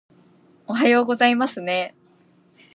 おはようございますねー